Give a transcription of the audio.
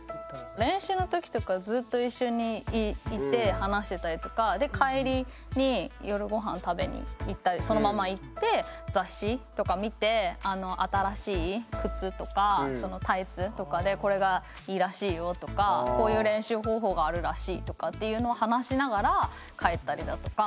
練習の時とかずっと一緒にいて話してたりとか帰りに夜ごはん食べに行ったりそのまま行って雑誌とか見て新しい靴とかタイツとかでこれがいいらしいよとかこういう練習方法があるらしいとかっていうのを話しながら帰ったりだとか。